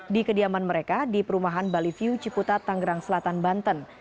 di kediaman mereka di perumahan bali view ciputat tanggerang selatan banten